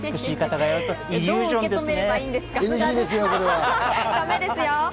だめですよ。